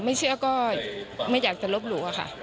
ไม่เชื่อก็ไม่อยากจะลบหลู่ค่ะ